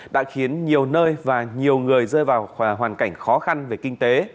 đã khiến nhiều nơi và nhiều người rơi vào hoàn cảnh khó khăn về kinh tế